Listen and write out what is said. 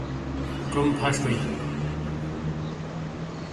کروم فش بیئ۔